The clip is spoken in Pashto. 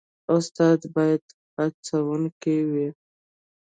استاد باید هڅونکی وي